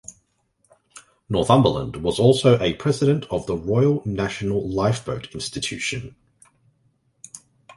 Northumberland was also a president of the Royal National Lifeboat Institution.